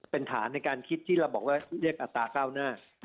เป็นฐานในการคิดที่เราบอกว่าเรียกอัตราเก้าหน้า